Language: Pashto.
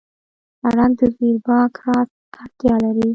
سړک د زېبرا کراس اړتیا لري.